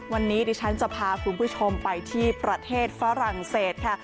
วันนี้ผมจะพาคุณผู้ชมไปที่ฝรั่งเศสค่ะ